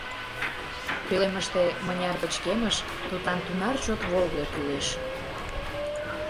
Пӧлемыште мыняр пычкемыш, тудлан тунар чот волгыдо кӱлеш.